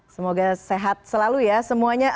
semoga sehat selalu ya semuanya